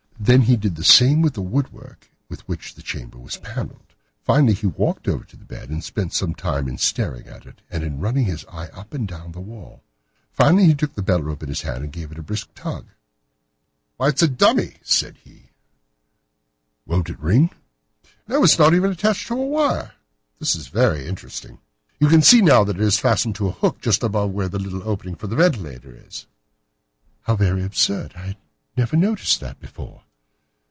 Then he did the same with the wood work with which the chamber was panelled. Finally he walked over to the bed and spent some time in staring at it and in running his eye up and down the wall. Finally he took the bell rope in his hand and gave it a brisk tug. "Why, it's a dummy," said he. "Won't it ring?" "No, it is not even attached to a wire. This is very interesting. You can see now that it is fastened to a hook just above where the little opening for the ventilator is." "How very absurd! I never noticed that before."